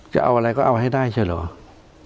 จะเอาอะไรก็เอาให้ได้ใช่เหรอ